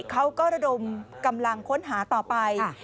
เขาก็ระดมกำลังค้นหาต่อไป